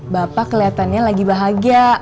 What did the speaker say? bapak kelihatannya lagi bahagia